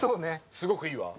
すごくいいわ。